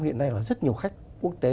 hiện nay là rất nhiều khách quốc tế